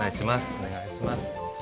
おねがいします。